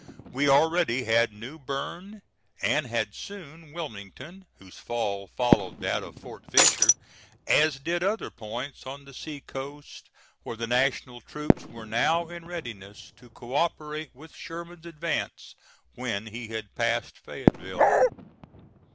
We already had New Bern and had soon Wilmington, whose fall followed that of Fort Fisher; as did other points on the sea coast, where the National troops were now in readiness to co operate with Sherman's advance when he had passed Fayetteville.